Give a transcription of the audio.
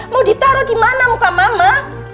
mau ditaruh di mana muka mama